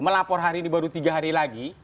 melapor hari ini baru tiga hari lagi